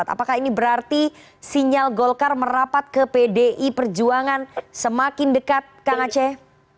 apakah ini berarti sinyal golkar merapat ke pdi perjuangan semakin dekat kang aceh